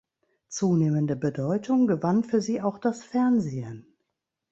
Zunehmende Bedeutung gewann für sie auch das Fernsehen.